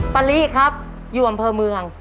ปะลิครับอยู่อำเภอเมือง